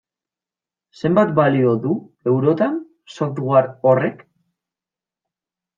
Zenbat balio du, eurotan, software horrek?